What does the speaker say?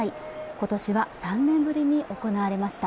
今年は３年ぶりに行われました。